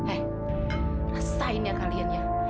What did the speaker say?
eh rasain ya kalian ya